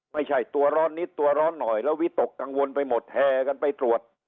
ไม่ใช่ตัวร้อนนิดตัวร้อนหน่อยแล้ววิตกกังวลไปหมดแห่กันไปตรวจ